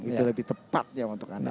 itu lebih tepat ya untuk anda